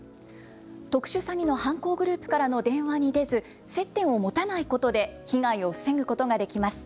特殊詐欺の犯行グループからの電話に出ず接点を持たないことで被害を防ぐことができます。